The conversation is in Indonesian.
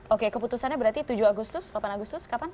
oke keputusannya berarti tujuh agustus delapan agustus kapan